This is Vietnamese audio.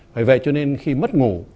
vậy vậy cho nên khi mất ngủ